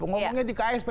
ngomongnya di ksp